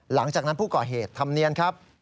หลังจากนั้นผู้ก่อเหตุธรรมเนียนครับ